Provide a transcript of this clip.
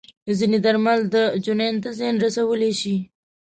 ځینې درمل د جنین ته زیان رسولی شي.